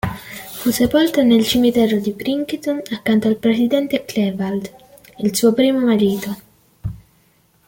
Fu sepolta nel cimitero di Princeton accanto al presidente Cleveland, il suo primo marito.